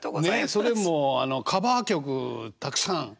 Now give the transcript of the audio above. それもカバー曲たくさん。